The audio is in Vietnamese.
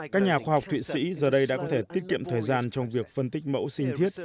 các nhà khoa học thụy sĩ giờ đây đã có thể tiết kiệm thời gian trong việc phân tích mẫu sinh thiết